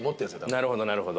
なるほどなるほど。